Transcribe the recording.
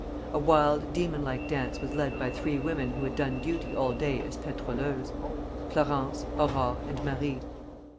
A wild, demon like dance was led by three women who had done duty all day as pétroleuses, Florence, Aurore, and Marie.